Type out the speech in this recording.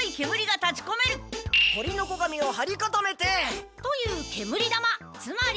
鳥の子紙をはりかためて。という煙玉つまり。